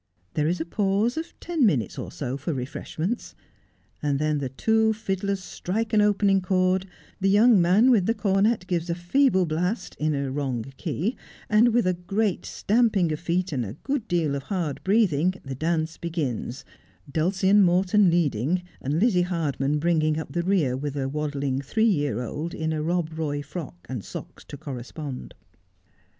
There is a pause of ten minutes or so for refreshments ; and then the two fiddlers strike an opening chord, the young man with the cornet gives a feeble blast in a wrong key, and, with a great stamping of feet and a good deal of hard breathing, the dance begins, Dulcie and Morgan leading, Lizzie Hardman bringing up the rear with a waddling three year old in a Rob Roy frock and socks to correspond.